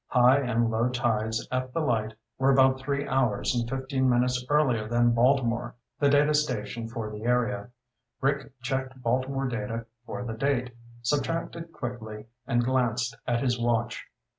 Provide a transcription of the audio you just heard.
High and low tides at the light were about three hours and fifteen minutes earlier than Baltimore, the data station for the area. Rick checked Baltimore data for the date, subtracted quickly, and glanced at his watch.